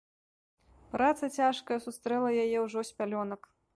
Праца цяжкая сустрэла яе ўжо з пялёнак.